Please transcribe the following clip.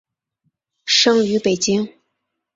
生于北京。